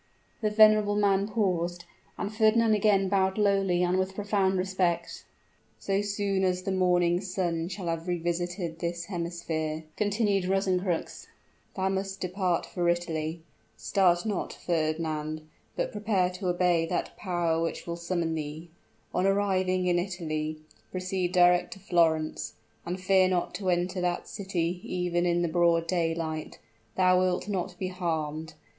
The venerable man paused, and Fernand again bowed lowly and with profound respect. "So soon as the morning's sun shall have revisited this hemisphere," continued Rosencrux, "thou must depart for Italy. Start not, Fernand but prepare to obey that power which will sustain thee. On arriving in Italy, proceed direct to Florence; and fear not to enter that city even in the broad daylight. Thou wilt not be harmed!